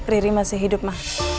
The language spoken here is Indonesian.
riri masih hidup ma